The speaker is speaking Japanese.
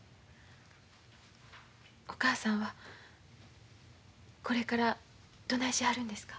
お母さんはこれからどないしはるんですか？